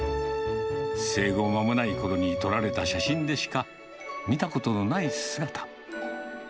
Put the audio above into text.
生後間もないころに撮られた写真でしか見たことのない姿。